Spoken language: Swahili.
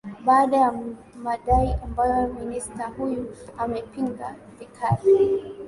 baada madai ambayo minister huyo amepinga vikali